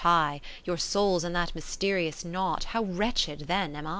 tg with a Friend Your souls in that mysterious knot, How wretched then am I